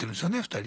２人。